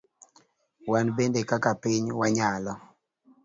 Wan bende kaka piny wanyalo.